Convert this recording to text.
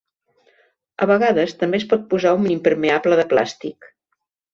A vegades també es pot posar un impermeable de plàstic.